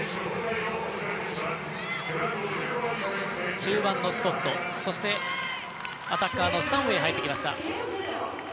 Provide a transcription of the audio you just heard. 中盤のスコット、そしてアタッカーのスタンウェイ入ってきました。